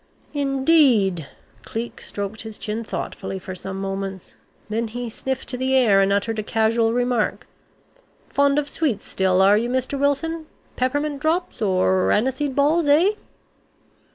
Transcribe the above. "Indeed!" Cleek stroked his chin thoughtfully for some moments. Then he sniffed the air, and uttered a casual remark: "Fond of sweets still, are you Mr. Wilson? Peppermint drops, or aniseed balls, eh?"